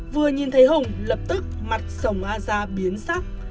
vừa nhìn thấy hùng lập tức mặt sồng a gia biến sắp